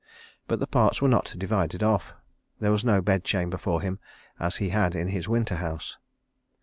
But the parts were not divided off. There was no bed chamber for him as he had in his winter house.